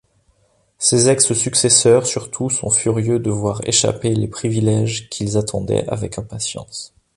Ses ex-successeurs surtout sont furieux de voir échapper les privilèges qu'ils attendaient avec impatience.